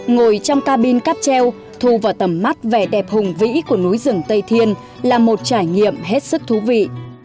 ngồi trong cabin cap treo thu vào tầm mắt vẻ đẹp hùng vĩ của núi rừng tây thiên là một trải nghiệm hết sức thú vị